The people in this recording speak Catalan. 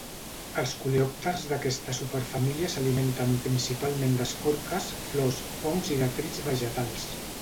Els coleòpters d'aquesta superfamília s'alimenten principalment d'escorces, flors, fongs i detrits vegetals.